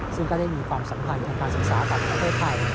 ซึ่งก็ได้มีความสัมพันธ์ทางการศึกษากับประเทศไทย